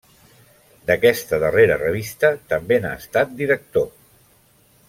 D’aquesta darrera revista, també n’ha estat director.